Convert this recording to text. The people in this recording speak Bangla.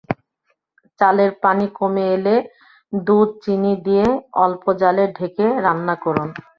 চালের পানি কমে এলে দুধ, চিনি দিয়ে অল্প জ্বালে ঢেকে রান্না করুন।